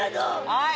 はい！